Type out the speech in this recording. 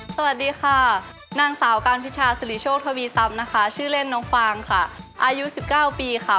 สวัสดีค่ะนางสาวการพิชาสิริโชคทวีซำนะคะชื่อเล่นน้องฟางค่ะอายุ๑๙ปีค่ะ